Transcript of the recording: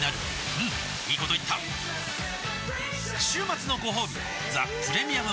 うんいいこと言った週末のごほうび「ザ・プレミアム・モルツ」